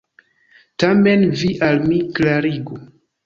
Tamen vi al mi klarigu!